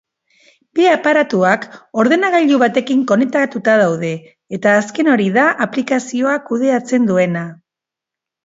Bi aparatuak ordenagailu batekin konektatuta daude eta azken hori da aplikazioa kudeatzen duena.